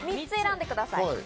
３つ選んでください。